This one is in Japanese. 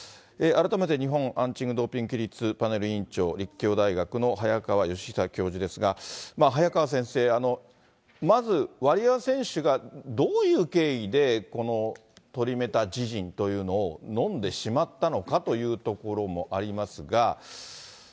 改めて日本アンチドーピング規律パネル委員長、立教大学の早川吉尚教授ですが、早川先生、まず、ワリエワ選手がどういう経緯で、このトリメタジジンというのを飲んでしまったのかというところもありますが。